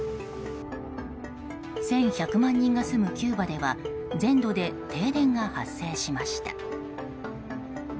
１１００万人が住むキューバでは全土で停電が発生しました。